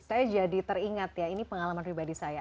saya jadi teringat ya ini pengalaman pribadi saya